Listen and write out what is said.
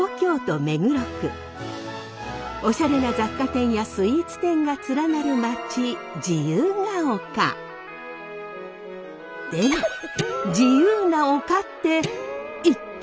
おしゃれな雑貨店やスイーツ店が連なる街でも自由な丘って一体？